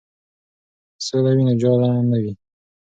که سوله وي نو جاله نه وي.